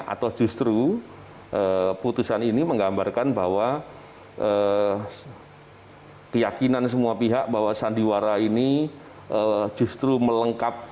atau justru putusan ini menggambarkan bahwa keyakinan semua pihak bahwa sandiwara ini justru melengkapi